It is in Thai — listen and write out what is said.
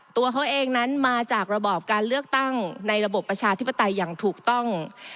ตัวเขาเองนั้นมาจากระบอบการเลือกตั้งในระบบประชาธิปไตยอย่างถูกต้อง